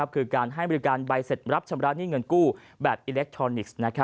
คือการให้บริการใบเสร็จรับชำระหนี้เงินกู้แบบอิเล็กทรอนิกส์